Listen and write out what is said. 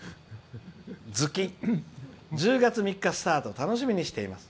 １０月３日スタート楽しみにしています」。